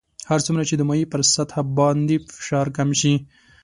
هر څومره چې د مایع پر سطح باندې فشار کم شي.